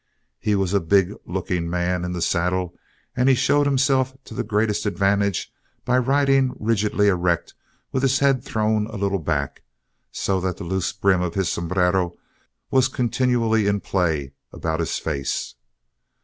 He was a big looking man in the saddle and he showed himself to the greatest advantage by riding rigidly erect with his head thrown a little back, so that the loose brim of his sombrero was continually in play about his face.